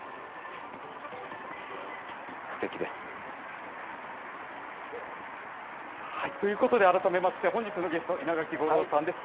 すてきです。ということで、改めまして、本日のゲスト、稲垣吾郎さんです。